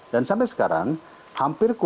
dan sampai sekarang hampir tidak